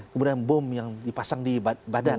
kemudian bom yang dipasang di badan